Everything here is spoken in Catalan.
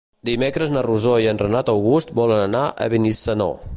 Dimecres na Rosó i en Renat August volen anar a Benissanó.